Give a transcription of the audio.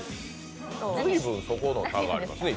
随分そこの差がありますね。